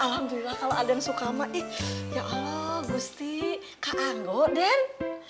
alhamdulillah kalau ada yang suka sama ya allah gusti kakak gue deng